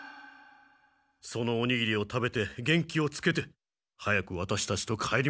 そのおにぎりを食べて元気をつけて早くワタシたちと帰りましょう。